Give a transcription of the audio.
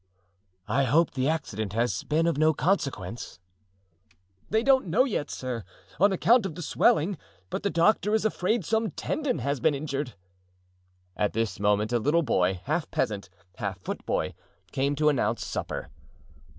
"I hope the accident has been of no consequence?" "They don't yet know, sir, on account of the swelling; but the doctor is afraid some tendon has been injured." At this moment a little boy, half peasant, half foot boy, came to announce supper.